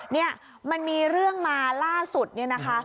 เนี่ยมันมีเรื่องมาล่าสุดเนี่ยนะคะ